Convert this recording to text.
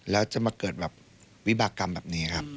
แล้วจะมาเกิดแบบวิบากรรมแบบนี้ครับ